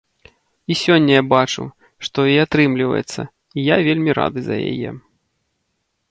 І сёння я бачу, што ў яе атрымліваецца, і я вельмі рады за яе.